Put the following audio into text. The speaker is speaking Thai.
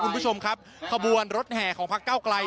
คุณผู้ชมครับขบวนรถแห่ของพักเก้าไกล